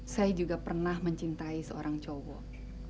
saya juga pernah mencintai seorang cowok